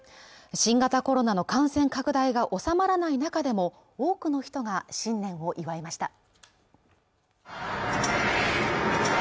新型コロナの感染拡大が収まらない中でも多くの人が新年を祝いました。